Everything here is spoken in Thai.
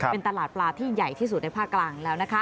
เป็นตลาดปลาที่ใหญ่ที่สุดในภาคกลางแล้วนะคะ